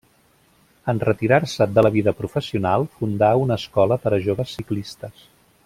En retirar-se de la vida professional fundà una escola per a joves ciclistes.